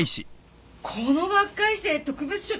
この学会誌で特別賞。